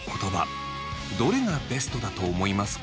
どれがベストだと思いますか？